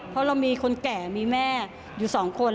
เพราะเรามีคนแก่มีแม่อยู่๒คน